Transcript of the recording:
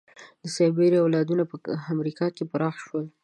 د سایبریا اولادونه په امریکا کې پراخه شول.